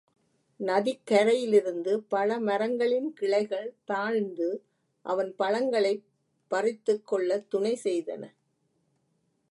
நதிக்கரையிலிருந்து பழமரங்களின் கிளைகள் தாழ்ந்து அவன் பழங்களைப் பறித்துக் கொள்ளத் துணைசெய்தன.